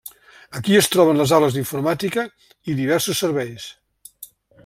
Aquí es troben les aules d'informàtica i diversos serveis.